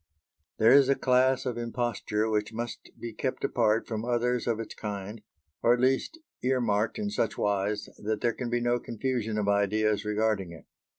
There is a class of imposture which must be kept apart from others of its kind, or at least ear marked in such wise that there can be no confusion of ideas regarding it.